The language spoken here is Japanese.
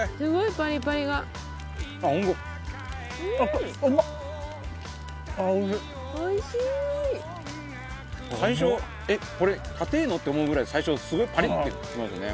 バカリズム：最初これ硬えの？って思うぐらい最初、すごいパリッてきますね。